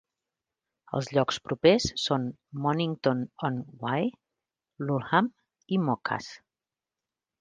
Els llocs propers són Monnington on Wye, Lulham i Moccas.